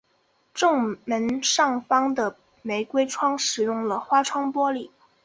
正门上方的玫瑰窗使用了花窗玻璃。